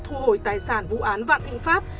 thu hồi tài sản vụ án vạn thịnh pháp